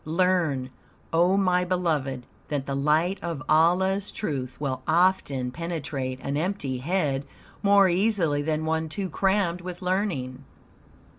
Learn, O my beloved, that the light of Allah's truth will often penetrate an empty head more easily than one too crammed with learning."